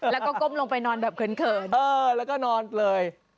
แล้วก็ก้มลงไปนอนแบบเขินเออแล้วก็นอนเลย